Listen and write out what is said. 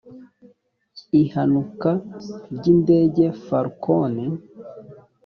ihanuka ry’indege falcon